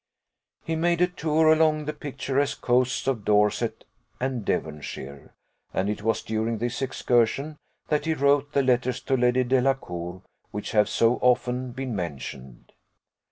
He made a tour along the picturesque coasts of Dorset and Devonshire, and it was during this excursion that he wrote the letters to Lady Delacour which have so often been mentioned.